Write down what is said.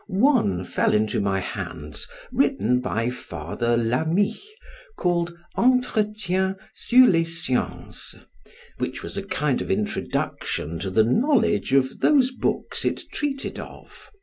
One fell into my hands written by Father Lami, called 'Entretiens sur les Sciences', which was a kind of introduction to the knowledge of those books it treated of.